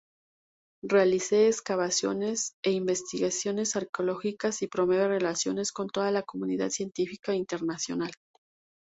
Realiza excavaciones e investigaciones arqueológicas y promueve relaciones con toda la comunidad científica internacional.